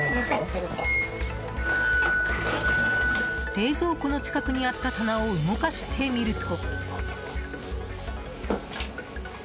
冷蔵庫の近くにあった棚を動かしてみると。